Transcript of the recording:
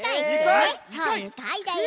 そう２かいだよ。